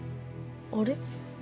あれ。